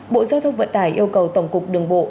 bộ giao thông vận tải yêu cầu tổng cục đường bộ